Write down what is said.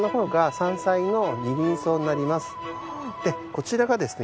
こちらがですね